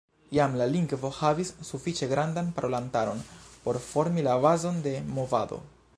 Jam la lingvo havis sufiĉe grandan parolantaron por formi la bazon de movado.